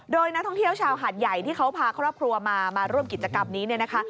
โดยนักท่องเที่ยวชาวหาดใหญ่ที่เขาพาครอบครัวมามาร่วมกิจกรรมนี้เนี่ยนะคะ